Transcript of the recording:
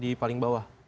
di paling bawah